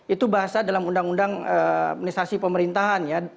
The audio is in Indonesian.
itu bahasa dalam undang undang administrasi pemerintahan ya